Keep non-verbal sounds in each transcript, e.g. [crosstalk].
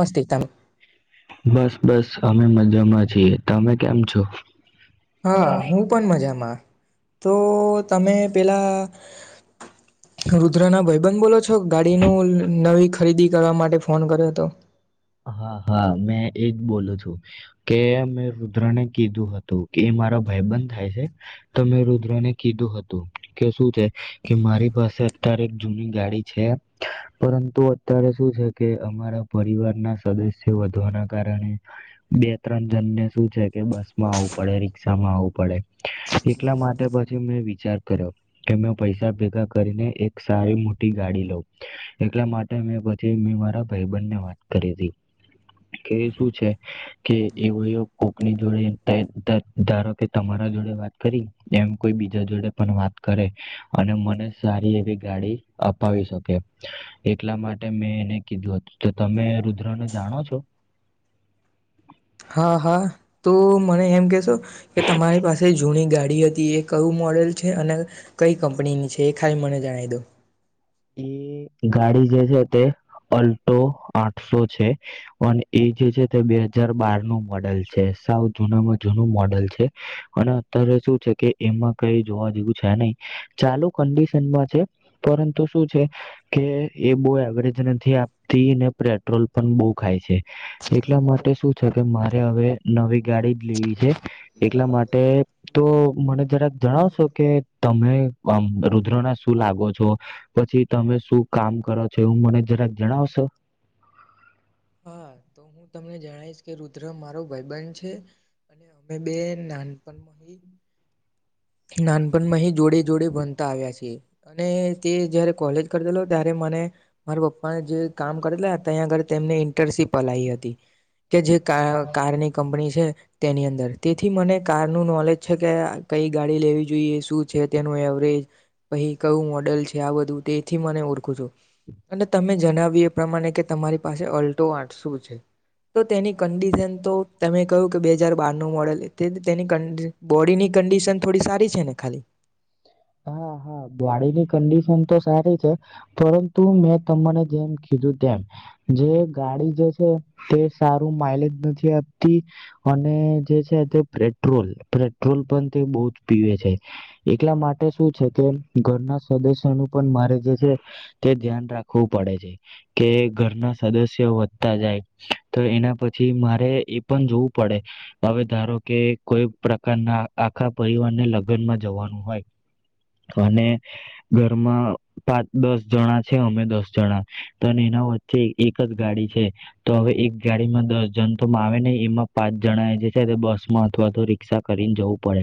મસ્તી તમે બસ બસ. અમે મજામાં છીએ તમે કેમ છો. હા હું પણ મજામાં. તો તમે પેલા. રુદ્ર ના ભાઈબંધ બોલો છો ગાડીનું નવી ખરીદી કરવા માટે ફોન કર્યો હતો. હા હા મેં એજ બોલું છું કે મેં રુદ્રને કીધું હતું કે મારા ભાઈ બંધ થાય છે તો મેં રુદ્ર ને કીધું હતું કે શું છે કે મારી પાસે અત્યારે એક જૂની ગાડી છે પરંતુ અત્યારે શું છે કે અમારા પરિવાર વધવાના કારણે બે ત્રણ જનને શું છે કે બસ માં આવવું પડે રિકષામાં આવવું પડે એટલા માટે પછી મેં વિચાર કર્યો કે મેં પૈસા ભેગા કરીને એક સારી મોટી ગાડી લઉ એટલા માટે મેં પછી મેં મારા ભાઈબનને વાંચ કે શું છે કે એવ કોકની જોડે ધારો કે તમારા જોડે વાત કરી એમ કોઈ બીજા જોડે પણ વાત કરે અને મને સારી એવી ગાડી અપાવી શકે એટલા માટે મેં એને કીધું હતું તમે રુદ્ર ને જાણો છો. હા હા. તો મને એમ કેશો કે તમારી પાસે જૂની ગાડી હતી એ કયું મોડેલ છે અને કઈ કંપનીની છે. હે ખાઈ મને જણાવ દો એ ગાડી જે છે તે અલ્ટો આઠસો છે અને એ જે છે તે બે હજાર બાર નું મોડેલ છે સાવ જૂનામાં જૂનું મોડેલ છે અને અત્યારે શું છે કે એમાં કઈ જોવા જેવું છે નહી ચાલુ કન્ડિશનમાં છે પરુ તો છે કે એ બહ એવરેજ નથી આપતી ને પેટ્રોલ પણ બહુ ખાય છે એટલા માટે શું છે કે મારે હવે નવી ગાડી જ લેવી છે એટલા માટે તો મને જરાક જણાવશો કે તમે રુદ્ર ના શું લાગો છો પછી તમે શું કામ કરો છો એવું મને જરાક જણાવશો. હા તો હું તમને જણશ કે રુદ્ર મારો ભાઈબંધ છે અને અમે બે નાનપણમાં નાનપણમાં અ જોડે જોડે ભણતા આવ્યા છે અને તે જયારે કોલેજ કરલો ત્યારે મને મારા પપ્પા જે કામ કરેલા હતા ત્યાંયા આગળ તેમને ઇન્ટર્નશીપ હલાવી હતી કે જે કારની કંપની છે તેની અંદર તેથી મને કારનું નોલેજ છે કે કઈ ગાડી લેવી જોઈએ શું છે તેનું એવરેજ પહી કયું મોડલ છે આ બધું તે થી મને ઓળખું છું અને તમે જણાવ્યું એ પ્રમાણે કે તમારી પાસે અલ્ટો આ શું છે તો તેની કંડિશન તો તમે કહ્યું કે બે હજાર બારનું મોડેલ તે તેની કંડ બોડી ની કંડિશન સારી છે ને ખાલી હા હા ગડીની કંડિશન તો સારી છે પરંતુ મેં તમને જેમ કીધું તેમ જે ગાડી જે છે તે સારું માઈલેજ નથી આપતી અને જે છે તે પેટ્રોલ, પેટ્રોલ પણ તે બહુ જ પીવે છે એટલા માટે ઘરના સદસ્ય નું પણ મારે જે છે તે ધ્યાન રાખવું પડે છે કે ઘરના સદસ્ય વધતા જાય તો એના પછી મારે એ પણ જોવું પડે હવે ધારો કે કોઈ પ્રકારના આખા પરિવારને લગ્નમાં જવાનું હોય અને ઘરમાં પાચ દસ જણા છે અમે દસ જણા તો એના વચ્ચે એક જ ગાડી છે તો હવે એક ગાડીમાં દસ જણ તો આવે નહી એમાં પાંચ જણા એ જે છે બસમાં અથવા તો રિક્ષા કરીને જવું પડે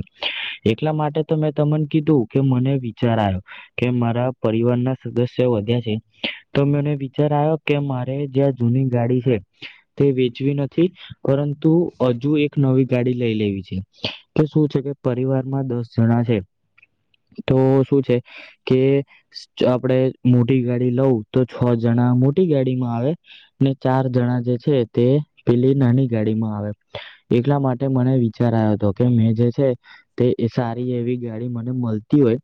એટલા માટે તો મેં તમને કીધું કે મને વિચાર આવ્યો કે મારા પરિવારના સદસ્ય વધ્યા છે તો મને વિચાર આવ્યો કે મારે જેયાં જૂની ગાડી છે તે વેચવી નથી પરંતુ હજુ એક નવી ગાડી લઈ લેવી છે કે શું છે કે પરિવારમાં દસ જણા છે. તો શું છે કે આપણે મોટી ગાડી લઉં તો છ જણા મોટી ગાડીમાં આવે ને ચાર જણા જે છે તે પેલી નાની ગાડીમાં આવે એટલા માટે મને વિચાર આવો હતો કે મેં જે છે તે સારી એવી ગાડી મને મળ તી હોય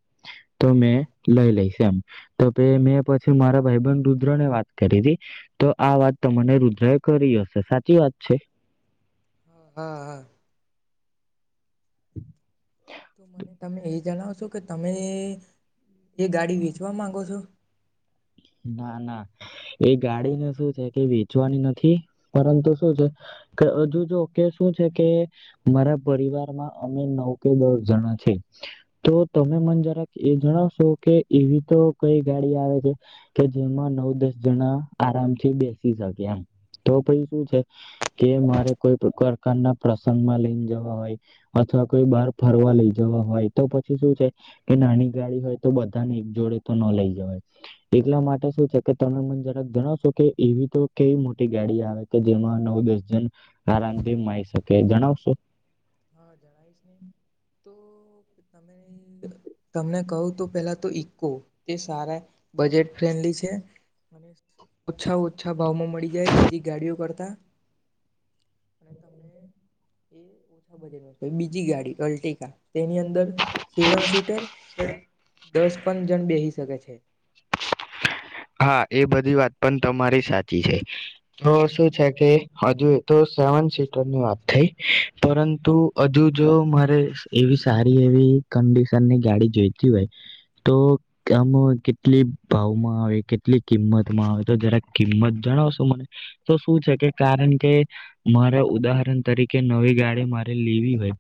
તો મેં લઈ લઈશ એમ તો મેં પછી મારા ભાઈ બન રુદ્ર ને વાત કરી હતી તો આ વાત તને રુદ્ર એ કરી હશે સાચી વાત છે. હા હા હા. હમ. તો મને તમે એ જણાવશો કે તમે એ ગાડી વેચવા માંગો છો. ના ના એ ગાડીને શું છે કે વેચવાની નથી પરંતુ શું છે કે હજુ જો કે શું છે કે મારા પરિવારમાં અમે નવ કે દસ જણા છે તો તમે મને જરાક એ જણાવશો કે એવી તો કઈ ગાડી આવે છે. કે જેમાં નવ દસ જણા આરામથી બેસી શકે એમ, તો પછી શું છે, કે મારે કોઈ પ્રકારના પ્રસંગમાં લઈને જવા હોય, અથવા કોઈ બહાર ફરવા લઈ જવા હોય તો પછી શું છે કે નાની ગાડી હોય તો બધાને એક જોડે તો ન લઈ જવાય. એટલા માટે શું છે કે તમે મન જરાક જણાવશો કે એવી તો કેવી મોટી ગાડી આવે કે જેમાં નવ દસ જન, આરામથી માઈ શકે જણાવશો? હા જણાયશ નને તો તમે તમને કહું તો પેલા તો ઈકો એ સારા બજેટ ફ્રેન્ડલી છે, અને ઓછા ઓછા ભાવમાં મળી જાય બ ગાડીઓ કરતા, અને તમને બ બીજી ગાડી અલ્ટિકાા. તેની અંદર સેવન સીટર કે દસ પણં જણ બેહી શકે છે. હા એ બધી વાત પણ તમારી સાચી છે, તો શું છે કે હજુ એ તો સેવન સીટરની વાત થઈ, પરંતુ હજુ જો મારે એવી સારી એવી કન્ડિશનની ગાડી જોઈતી હોય, તો આમ કેટલી ભાવમાં આવે કેટલી કિંમતમાં આવે તો જરા કિંમત જણાવશો મને, તો શું છે કે કારણ કે, મારે ઉદાહરણ તરીકે નવી ગાડી મારે લેવી હોય,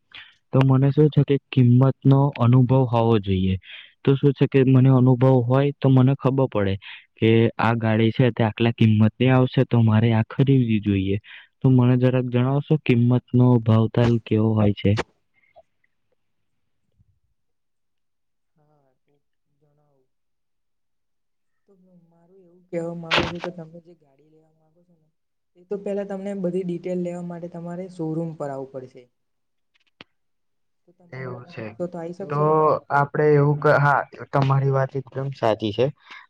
તો મને શું છે કે કિંમત નો અનુભવ હોવો જોઈએ, તો શું છે કે મને અનુભવ હોય તો મને ખબર પડે કે આ ગાડી છે તે આટલા કિંમતની આવશે તો મારે આ ખરીદીવી જોઈએ, તો મને જરાક જણાવશો કિંમત નો ભાવ તાલ કેવો હોય છે. હા જણાવું મારું એવું કેવા માંગુ છો કે તમે જે ગાડી લેવા માંગો છો ને એ તો પેલા તમને બધી ડિટેલ લેવા માટે તમારે શોરૂમ પર આવું પડશે તો તમારે એવું નવરા છે, હશો આવી તો શકશો આપડે એવું હા તમારી વાત એકદમ સાચી છે,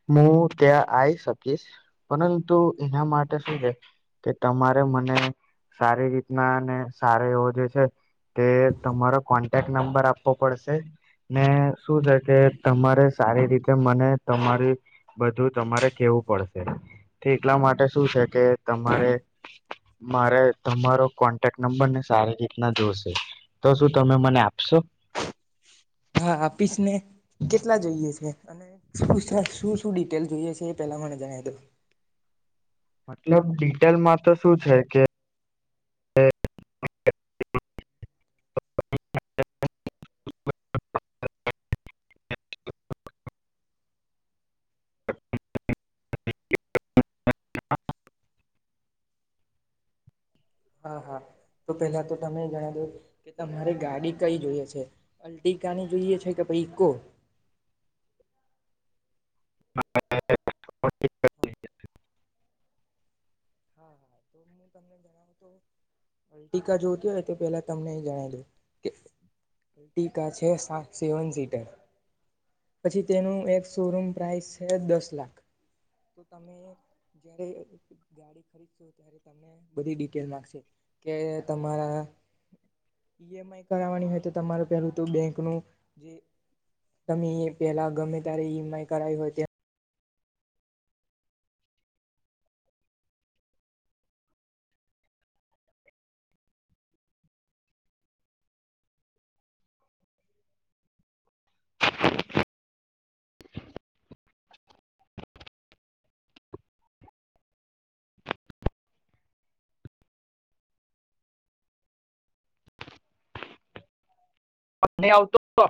હું ત્યાં આવી શકીશ, પરંતુ એના માટે શું છે, કે તમારે મને સારી રીતના અને સારો એવો જે છે તે તમારા કોન્ટેક્ટ નંબર આપવો પડશે, ને શું છે કે તમારે સારી રીતે મને તમારી બધું તમારે કેવું પડશે, તો એટલા માટે શું છે કે તમારે મારે તમારો કોન્ટેક્ટ નંબર ને સારી રીતના જોશે. તો સુ આપશો? હા આપીશ ને કેટલા જોઈએ છે શું શું શું ટેલ જોઈએ છે એ પેલા મને જણ દો મતલબ ડિટેલમાં તો શું છે કે હા હા, તો પેલા તો તમે જણ દો કે તમારે ગાડી કઈ જોઈએ છે, અલ્ટિકાની જોઈએ છે કે ભાઈ ઇકો? [unintelligible] હા અલ્ટિકા જોતી હોય તો પેલા તમને જણાવ દઉ કે અલ્ટિકા છે સેવન સીટર, પછી તેનું એક શોરૂમ પ્રાઇસ છે દસ લાખ, તો તમે જયારે ગાડી ખરીદશો બધી ડિટેલ મામાંગશે, કે તમારા ઈએમ આઈ કરાવાની હોય તો તમારું પેલું ત બેંક નું જે તમે પેલા ગમે ત્યારે ઈમ આઈ કરાવી હોય ત્યાં આ ની આવતો [unintelligible]